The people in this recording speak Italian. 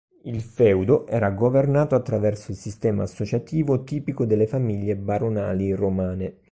Il feudo era governato attraverso il sistema associativo, tipico delle famiglie baronali romane.